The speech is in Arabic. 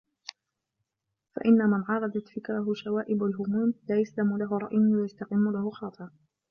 فَإِنَّ مَنْ عَارَضَتْ فِكْرَهُ شَوَائِبُ الْهُمُومِ لَا يَسْلَمُ لَهُ رَأْيٌ وَلَا يَسْتَقِيمُ لَهُ خَاطِرٌ